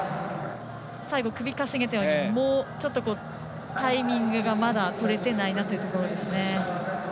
最後首をかしげていましたがもうちょっとタイミングがまだとれてないなというところですね。